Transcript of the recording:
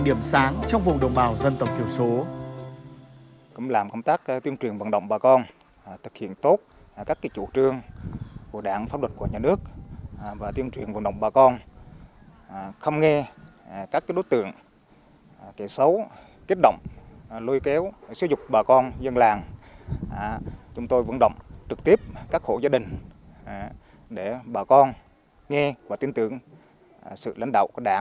đặt chuẩn nông thôn mới trở thành điểm sáng trong vùng đồng bào dân tộc tiểu số